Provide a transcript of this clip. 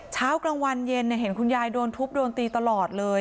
เช้ากลางวันเย็นเห็นคุณยายโดนทุบโดนตีตลอดเลย